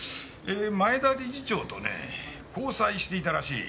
前田理事長とね交際していたらしい。